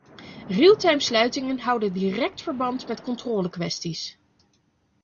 Realtimesluitingen houden direct verband met controlekwesties.